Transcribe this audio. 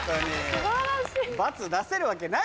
素晴らしい。